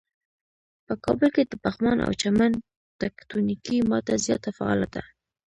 په کابل کې د پغمان او چمن تکتونیکی ماته زیاته فعاله ده.